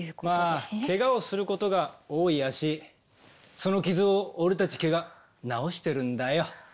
まあけがをすることが多い足その傷を俺たち毛が治してるんだよ。